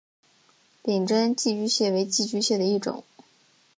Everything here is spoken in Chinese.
柄真寄居蟹为寄居蟹的一种。